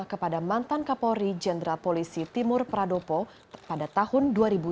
kepada mantan kapolri jenderal polisi timur pradopo pada tahun dua ribu dua puluh